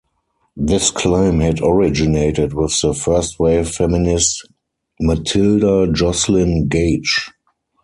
This claim had originated with the first-wave feminist Matilda Joslyn Gage.